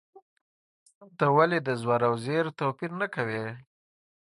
ته ولې د زور او زېر توپیر نه کوې؟